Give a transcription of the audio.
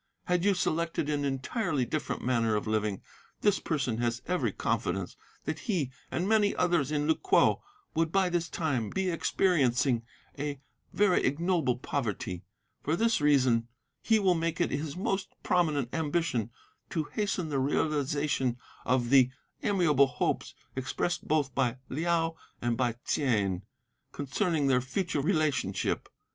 Had you selected an entirely different manner of living, this person has every confidence that he, and many others in Lu kwo, would by this time be experiencing a very ignoble poverty. For this reason he will make it his most prominent ambition to hasten the realization of the amiable hopes expressed both by Liao and by Ts'ain, concerning their future relationship.